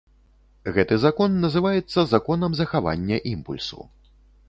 Гэты закон называецца законам захавання імпульсу.